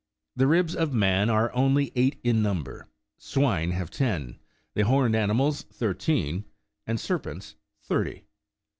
The ribs of man are only eight. in number; swine have ten, the horned animals thirteen, and serpents thirty.